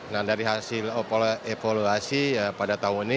nah dari hasil evaluasi pada tahun ini